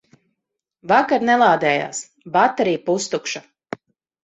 Vakar nelādējās, baterija pustukša.